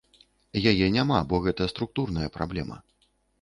Яе няма, бо гэта структурная праблема.